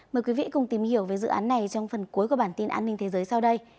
mời quý vị cùng tìm hiểu về dự án này trong phần cuối của bản tin an ninh thế giới sau đây